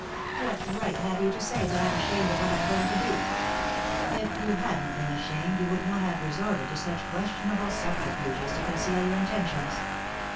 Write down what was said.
" What right have you to say that I'm ashamed ot what I'm going to do 7 "" If you hadn't been ashamed you would not have resorted to such questionable subterfuges to conceal your intentions."